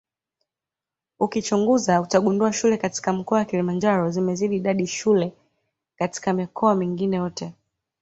Ukichunguza utagundua shule katika mkoa Kilimanjaro zimezidi idadi ya shule katika mikoa mingine yote